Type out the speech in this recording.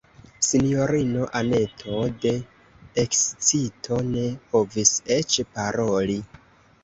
Sinjorino Anneto de ekscito ne povis eĉ paroli.